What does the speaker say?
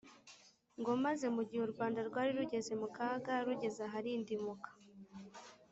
ngomaze mu gihe u rwanda rwari rugeze mu kaga rugeze aharindimuka,